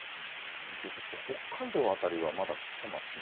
北海道辺りはまだ降ってますね。